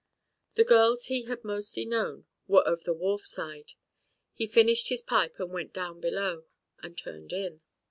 The girls he had mostly known were of the wharf side. He finished his pipe and went down below and turned in.